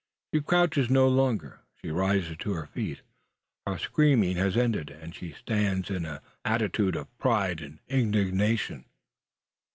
She crouches no longer. She rises to her feet. Her screaming has ended, and she stands in an attitude of pride and indignation.